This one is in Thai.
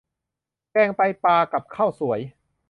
แกงไตปลากับข้าวสวย